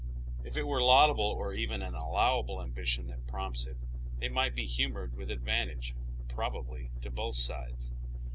If it were a laudabie or even an allowable ambition that prompts it, they might be humored with advantage, prob ably, to both sides.